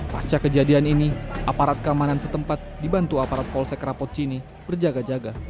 pasca kejadian ini aparat keamanan setempat dibantu aparat polsek rapocini berjaga jaga